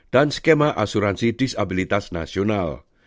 dan skema asuransi disabilitas nasional